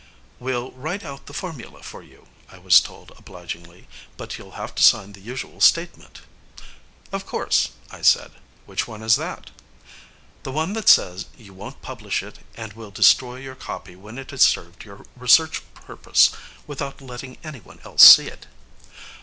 "We'll write out the formula for you," I was told obligingly. "But you'll have to sign the usual statement." "Of course," I said. "Which one is that?" "The one that says you won't publish it, and will destroy your copy when it has served your research purpose, without letting anyone else see it."